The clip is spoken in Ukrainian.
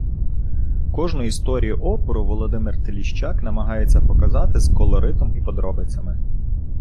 Кожну історію опору Володимир Тиліщак намагається показати з колоритом і подробицями.